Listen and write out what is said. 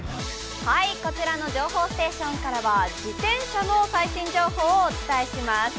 こちらの情報ステーションからは自転車の最新情報をお伝えします。